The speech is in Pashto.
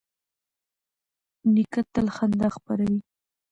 نیکه تل خندا خپروي.